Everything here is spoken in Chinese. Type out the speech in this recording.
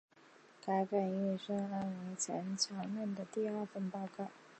该份预算案为曾司长任内的第二份报告。